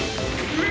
うわ！